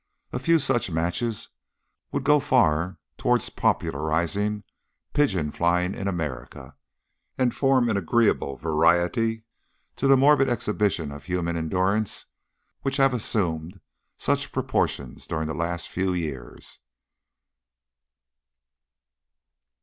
A few such matches would go far towards popularising pigeon flying in America, and form an agreeable variety to the morbid exhibitions of human endurance which have assumed such proportions during the last few years."